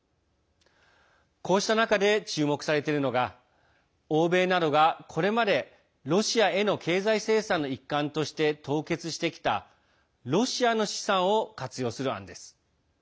こうした中で注目されているのが欧米などが、これまでロシアへの経済制裁の一環として凍結してきたロシアの資産を活用する案です。